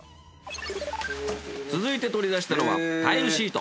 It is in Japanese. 続いて取り出したのはタイルシート。